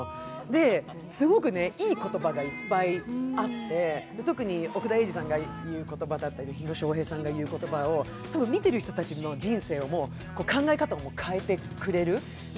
で、すごくいい言葉がいっぱいあって、特に奥田瑛二さんが言う言葉だったり火野正平さんが言う言葉を見てる人たちの人生を考え方をも変えてくれる。